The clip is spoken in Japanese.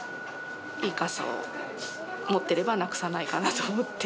いい傘を持ってればなくさないかなと思って。